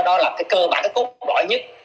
đó là cái cơ bản cái cốt đội nhất